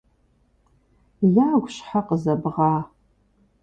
- Ягу щхьэ къызэбгъа?